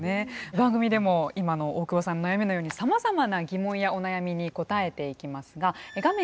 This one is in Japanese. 番組でも今の大久保さんの悩みのようにさまざまな疑問やお悩みに答えていきますが画面